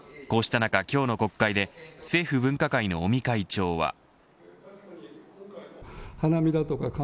こうした中、今日の国会で政府分科会の尾身会長は。